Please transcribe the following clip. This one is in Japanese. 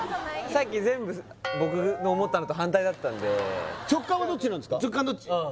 さっき全部僕の思ったのと反対だったんで直感どっち？